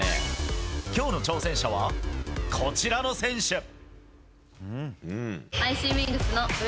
今日の挑戦者はこちらの選手。